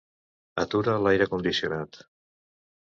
Atura l'aire condicionat.